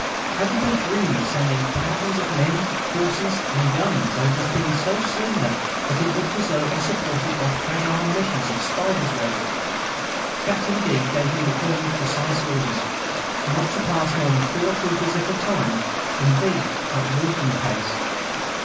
How could they dream of sending thousands of men, horses, and guns over a thing so slender that it looked as though it were supported by the fragile meshes of a spider's web? Captain D. gave me the Colonel's precise orders: not to pass more than four troopers at a time, and these at walking pace.